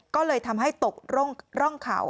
ก็เลยทำให้ตกร่องเขา